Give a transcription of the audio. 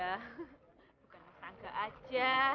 bukan mas rangga aja